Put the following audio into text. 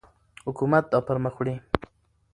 حکومت دا پرمخ وړي.